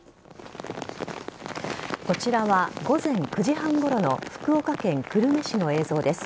こちらは午前９時半ごろの福岡県久留米市の映像です。